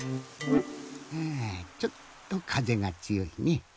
はぁちょっとかぜがつよいね。